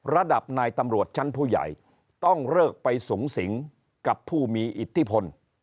ระดับนายตำรวจชั้นผู้ใหญ่ต้องเลิกไปสูงสิงกับผู้มีอิทธิพล